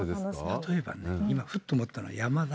例えばね、今、ふっと思ったのは山田。